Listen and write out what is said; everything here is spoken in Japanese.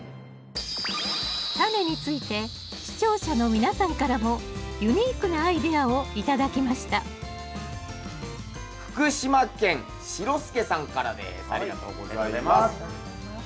タネについて視聴者の皆さんからもユニークなアイデアを頂きました福島県しろすけさんからです。